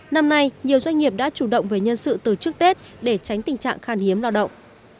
năm nay nhiều doanh nghiệp đã chủ động về nhân sự từ trước tết để tránh tình trạng khan hiếm lao động